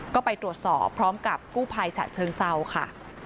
ก็ไปตรวจสอบพร้อมกับกู้ภัยฉะเชิงเซาค่ะ